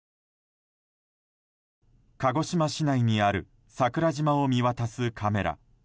鹿児島市内にある桜島を見渡すカメラ。